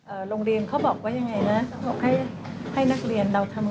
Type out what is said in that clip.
โรงเรียนเขาบอกว่ายังไงนะเขาบอกให้ให้นักเรียนเราทำ